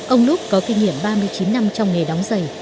ông lug có kinh nghiệm ba mươi chín năm trong nghề đóng giày